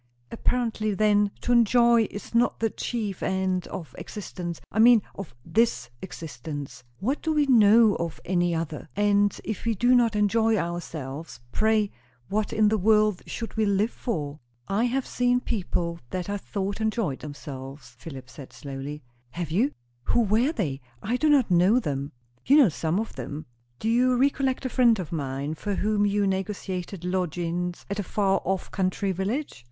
"Apparently, then, to enjoy is not the chief end of existence. I mean, of this existence." "What do we know of any other? And if we do not enjoy ourselves, pray what in the world should we live for?" "I have seen people that I thought enjoyed themselves," Philip said slowly. "Have you? Who were they? I do not know them." "You know some of them. Do you recollect a friend of mine, for whom you negotiated lodgings at a far off country village?"